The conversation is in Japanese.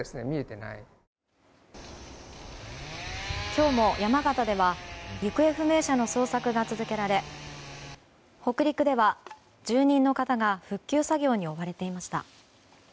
今日も、山形では行方不明者の捜索が続けられ北陸では、住人の方が復旧作業に追われていました。